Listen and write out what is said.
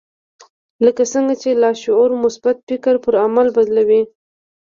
لکه څرنګه چې لاشعور مثبت فکر پر عمل بدلوي.